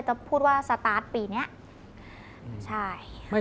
จะพูดว่าสตาร์ทปีนี้ใช่